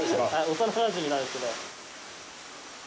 幼なじみなんですけど。